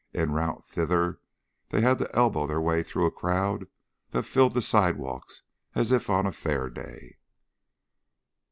En route thither they had to elbow their way through a crowd that filled the sidewalks as if on a fair day.